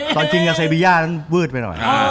ตอนชิงอาเซเบียนั่นเวิร์ดไปหน่อย